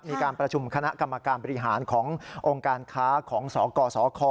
มีการประชุมคณะกรรมการบริหารขององค์การค้าของสกสค